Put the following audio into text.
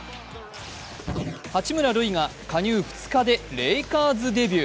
八村塁が、加入２日でレイカーズデビュー。